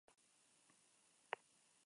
Se encuentra en Europa: Irlanda.